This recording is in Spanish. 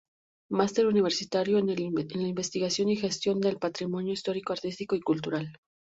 Máster Universitario en Investigación y Gestión del Patrimonio Histórico-Artístico y Cultural.